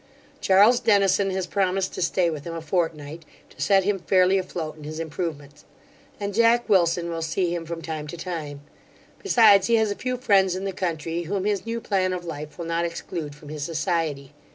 Charles Dennison has promised to stay with him a fortnight, to set him fairly afloat in his improvements; and Jack Wilson will see him from time to time; besides, he has a few friends in the country, whom his new plan of life will not exclude from his society.